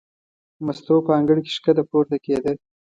مستو په انګړ کې ښکته پورته کېده.